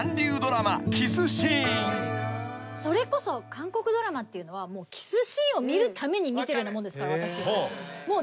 それこそ韓国ドラマっていうのはキスシーンを見るために見てるようなもんですから私は。